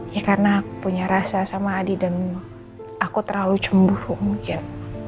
ya karena aku punya rasa sama adi dan aku terlalu cemburu mungkin